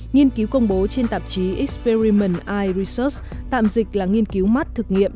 nhiên cứu công bố trên tạp chí experiment eye research tạm dịch là nghiên cứu mắt thực nghiệm